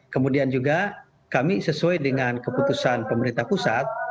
kemudian juga kami sesuai dengan keputusan pemerintah pusat